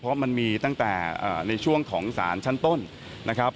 เพราะมันมีตั้งแต่ในช่วงของสารชั้นต้นนะครับ